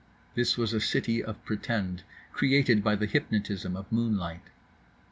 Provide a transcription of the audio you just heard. This was a city of Pretend, created by the hypnotism of moonlight.